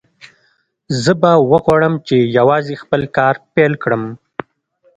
زه به وغواړم چې یوازې خپل کار پیل کړم